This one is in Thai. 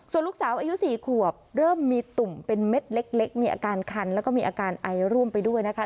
ส่วนลูกสาวอายุ๔ขวบเริ่มมีตุ่มเป็นเม็ดเล็กมีอาการคันแล้วก็มีอาการไอร่วมไปด้วยนะคะ